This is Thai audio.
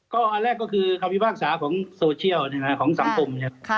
ก็อันแรกก็คือคำพิพากษาของโซเชียลของสังคมครับ